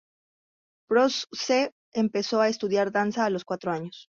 Prowse empezó a estudiar danza a los cuatro años.